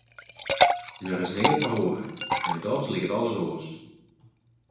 Der is neat feroare en dochs liket alles oars.